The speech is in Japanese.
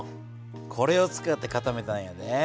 これを使って固めたんやで。